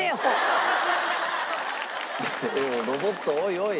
ロボットおいおい！